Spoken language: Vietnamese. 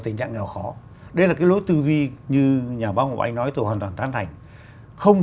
tình trạng nghèo khó đây là cái lối tư vi như nhà bác một anh nói tôi hoàn toàn tán thành không